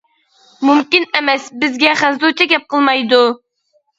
مۇمكىن ئەمەس بىزگە خەنزۇچە گەپ قىلمايدۇ.